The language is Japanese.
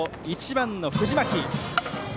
１番の藤巻。